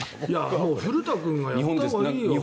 古田君がやったほうがいいよ。